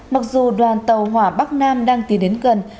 mặc dù đoàn tàu hỏa bắc nam đang tìm đến gần